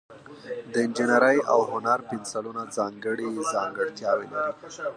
د انجینرۍ او هنر پنسلونه ځانګړي ځانګړتیاوې لري.